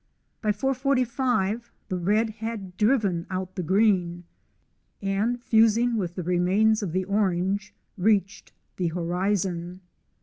By 4.45 the red had driven out the green, and, fusing with the remains of the orange, reached the horizon.